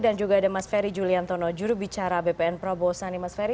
dan juga ada mas ferry juliantono juru bicara bpn prabowo